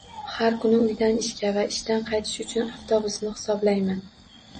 Har kuni uydan ishga va ishdan qaytish uchun avtobusni hisoblayman